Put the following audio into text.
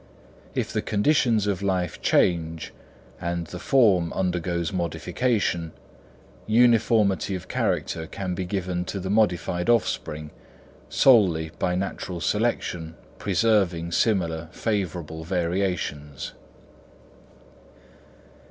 If the conditions of life change and the form undergoes modification, uniformity of character can be given to the modified offspring, solely by natural selection preserving similar favourable variations.